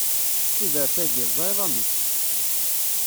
Tudert-agi, tezṛiḍ amek!